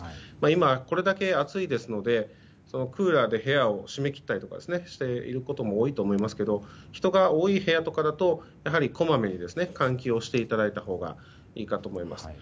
今、これだけ暑いですのでクーラーのために部屋を閉め切ったりとかしていることも多いと思いますが人が多い部屋とかですとこまめに換気をしていただいたほうがいいかと思います。